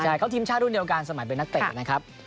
ใช่เขาทีมชาติรุ่นเดียวกันสมัยเป็นนักเตะนะครับ